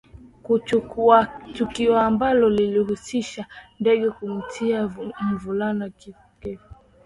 Kuchukua tukio ambalo lilihusisha ndege kumtia mvulana kifo kifo